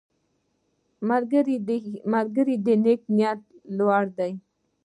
ملګری د نیک نیت لور دی